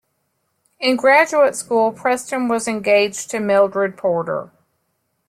In graduate school, Preston was engaged to Mildred Porter.